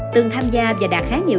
từng tham gia và đạt khá nhiều